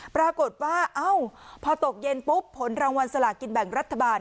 ปรากฏว่าเอ้าพอตกเย็นปุ๊บผลรางวัลสลากินแบ่งรัฐบาล